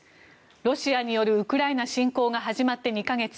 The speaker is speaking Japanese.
ロシアによるウクライナ侵攻が始まって２か月。